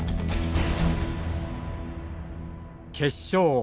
決勝。